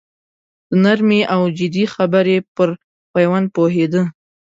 د نرمې او جدي خبرې پر پېوند پوهېده.